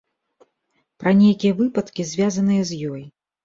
Пра нейкія выпадкі, звязаныя з ёй.